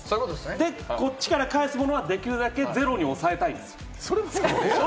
こっちから返すものはできるだけゼロに抑えたいです。